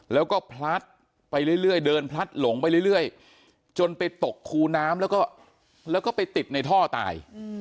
แล้วก็พลัดไปเรื่อยเดินพลัดหลงไปเรื่อยจนไปตกคูน้ำแล้วก็ไปติดในท่อตาย